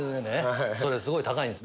それすごい高いんです。